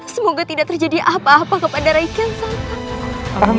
semoga tidak terjadi apa apa kepada rai kian santang